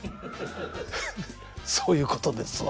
フフッそういうことですわ。